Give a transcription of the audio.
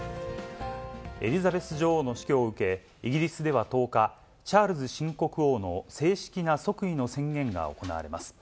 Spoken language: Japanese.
エリザベス女王の死去を受け、イギリスでは１０日、チャールズ新国王の正式な即位の宣言が行われます。